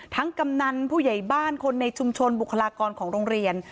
กำนันผู้ใหญ่บ้านคนในชุมชนบุคลากรของโรงเรียน